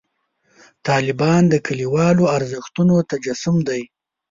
طالبان د کلیوالو ارزښتونو تجسم دی.